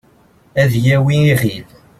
ad yawi iɣil